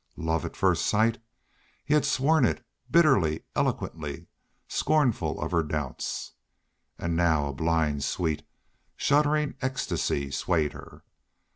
Love at first sight! He had sworn it, bitterly, eloquently, scornful of her doubts. And now a blind, sweet, shuddering ecstasy swayed her.